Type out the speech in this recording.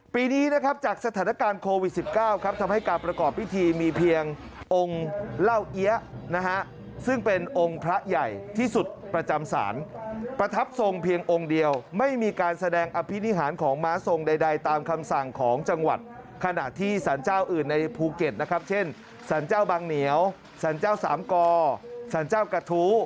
ปีนี้นะครับจากสถานการณ์โควิด๑๙ครับทำให้การประกอบพิธีมีเพียงองค์เหล้าเอี๊ยะนะฮะซึ่งเป็นองค์พระใหญ่ที่สุดประจำศาลประทับทรงเพียงองค์เดียวไม่มีการแสดงอภินิหารของม้าทรงใดตามคำสั่งของจังหวัดขณะที่สรรเจ้าอื่นในภูเก็ตนะครับเช่นสรรเจ้าบังเหนียวสรรเจ้าสามกอสรรเจ้ากระทู้